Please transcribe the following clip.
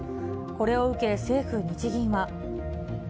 これを受け、政府・日銀は。